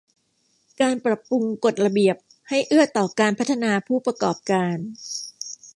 การปรับปรุงกฎระเบียบให้เอื้อต่อการพัฒนาผู้ประกอบการ